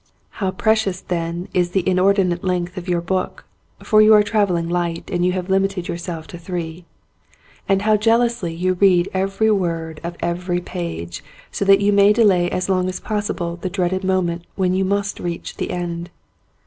How precious then is the inordinate length of your book (for you are travelling light and you have limited yourself to three) and how jealously you read every word of every page so that you may delay as long as possible the dreaded mo ment when you must reach the end!